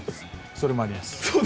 それもあります。